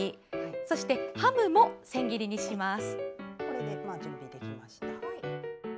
そしてハムも千切りにします。